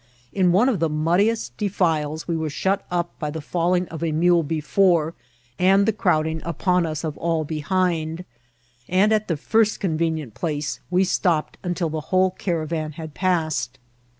In one of the muddiest defiles we were shut up by the falling of a mule before, and the crowding upon us of all behind ; and, at the first convenient place, we stopped until the whole caravan had passed.